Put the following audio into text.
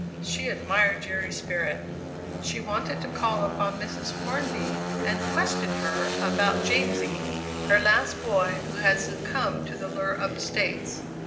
She admired Jerry's spirit! She wanted to call upon Mrs. Hornby and question her about Jamsie, her last boy, who had succumbed to the lure of the States.